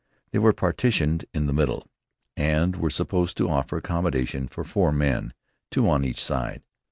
They were partitioned in the middle, and were supposed to offer accommodation for four men, two on each side.